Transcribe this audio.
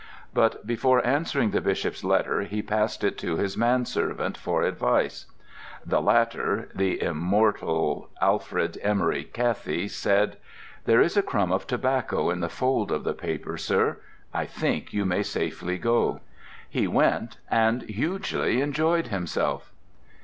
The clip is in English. But before answering the Bishop's letter he passed it to his manservant for advice. The latter (the immortal Alfred Emery Cathie) said: "There is a crumb of tobacco in the fold of the paper, sir: I think you may safely go." He went, and hugely enjoyed himself.